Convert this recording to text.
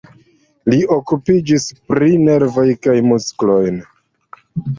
Li okupiĝis pri nervoj kaj muskoloj.